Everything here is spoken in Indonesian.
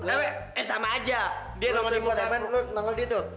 eh sama aja dia nongol di infotainment lo nongol dia tuh